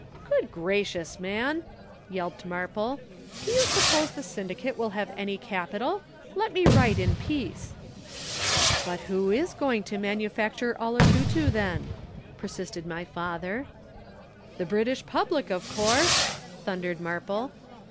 "'"Good gracious, man!" yelped Marple. "Do you suppose the syndicate will have any capital? Let me write in peace." "'"But who is going to manufacture 'Olotutu' then?" persisted my father. "'"The British Public of course," thundered Marple.